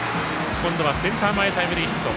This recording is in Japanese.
今度はセンター前タイムリーヒット。